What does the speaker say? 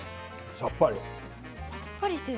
さっぱり。